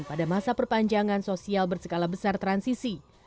pada masa perpanjangan sosial berskala besar transisi